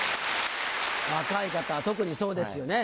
若い方は特にそうですよね。